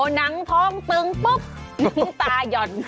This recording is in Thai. หนังทองเปลื้องปุ๊บตาย่อน